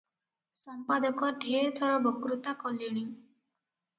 ସମ୍ପାଦକ ଢେର ଥର ବକ୍ତୃତା କଲେଣି ।